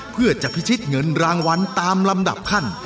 เพื่อจะพิชิตเงินรางวัลตามลำดับขั้น